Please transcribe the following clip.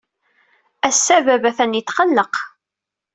Ass-a, baba atan yetqelleq.